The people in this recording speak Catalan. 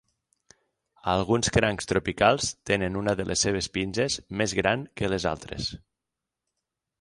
Alguns crancs tropicals tenen una de les seves pinces més gran que les altres.